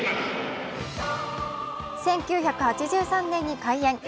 １９８３年に開園。